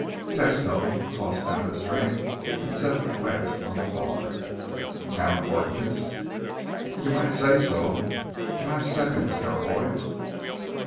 Tesno tossed down his drink and set the glass on the bar. "Town ordinance?" "You might say so. Five seconds, cowboy."